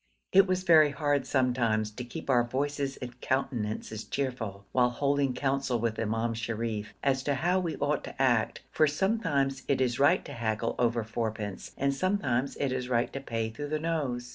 It was very hard sometimes to keep our voices and countenances cheerful while holding counsel with Imam Sharif as to how we ought to act, for sometimes it is right to haggle over fourpence and sometimes it is right to pay through the nose.